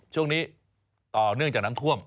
ช่วงนี้ต่อเนื่องจากน้ำท่วม